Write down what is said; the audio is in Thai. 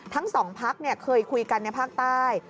ทั้งสองพักเคยคุยกันในภาคใต้